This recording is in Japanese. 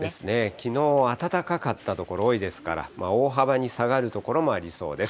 きのうは暖かかった所多いですから、大幅に下がる所もありそうです。